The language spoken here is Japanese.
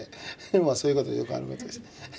そういうことよくあることですね。